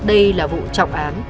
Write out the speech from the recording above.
xác định đây là vụ trọng án